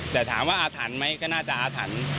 แต่ถามว่าอาถรรพ์ไหมก็น่าจะอาถรรพ์